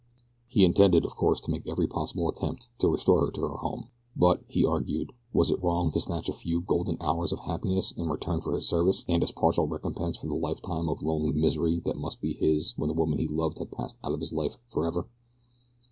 He intended, of course, to make every possible attempt to restore her to her home; but, he argued, was it wrong to snatch a few golden hours of happiness in return for his service, and as partial recompense for the lifetime of lonely misery that must be his when the woman he loved had passed out of his life forever?